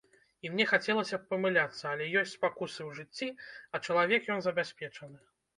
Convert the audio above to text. І мне хацелася б памыляцца, але ёсць спакусы ў жыцці, а чалавек ён забяспечаны.